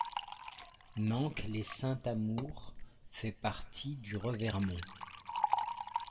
Nanc-lès-Saint-Amour fait partie du Revermont.